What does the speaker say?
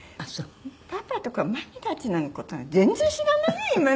「パパとかママたちの事全然知らないよ